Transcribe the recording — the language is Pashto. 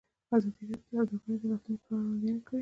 ازادي راډیو د سوداګري د راتلونکې په اړه وړاندوینې کړې.